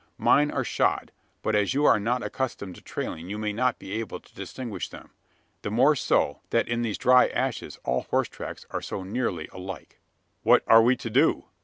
Mine are shod; but, as you are not accustomed to trailing, you may not be able to distinguish them the more so, that in these dry ashes all horse tracks are so nearly alike." "What are we to do?"